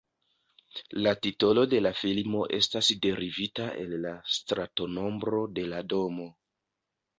La titolo de la filmo estas derivita el la stratonombro de la domo.